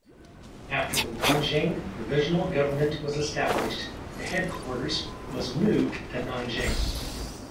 After the Nanjing Provisional Government was established, the headquarters was moved to Nanjing.